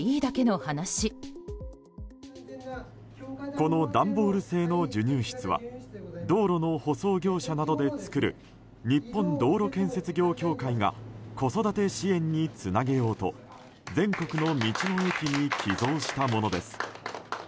この段ボール製の授乳室は道路の舗装業者などで作る日本道路建設業協会が子育て支援につなげようと全国の道の駅に寄贈したものです。